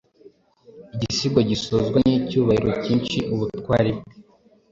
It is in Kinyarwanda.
Igisigo gisozwa nicyubahiro cyinshi ubutwari bwe